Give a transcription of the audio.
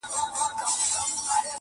• دبدبه د حُسن وه چي وحسي رام سو,